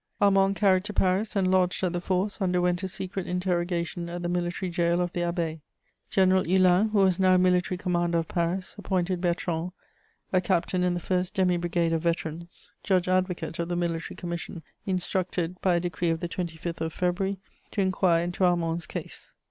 Armand, carried to Paris and lodged at the Force, underwent a secret interrogation at the military gaol of the Abbaye. General Hulin, who was now Military Commander of Paris, appointed Bertrand, a captain in the first demi brigade of veterans, judge advocate of the military commission instructed, by a decree of the 25th of February, to inquire into Armand's case.